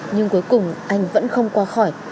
nhưng cuối cùng anh vẫn không qua khỏi